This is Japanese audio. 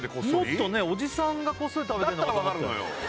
もっとねおじさんがこっそりだったら分かるのよ